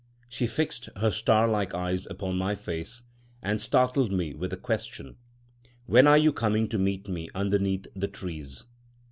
She fixed her star like eyes upon my face and startled me with the question, "When are you coming to meet me underneath the trees?"